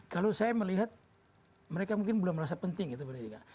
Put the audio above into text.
kalau saya melihat mereka mungkin belum merasa penting itu pendidikan